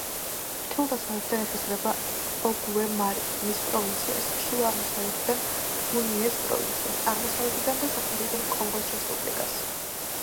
ჩრდილო-დასავლეთიდან ესაზღვრება ოგოუე-მარიტიმის პროვინციას, ჩრდილო-აღმოსავლეთიდან ნგუნიეს პროვინციას, აღმოსავლეთიდან და სამხრეთიდან კონგოს რესპუბლიკას.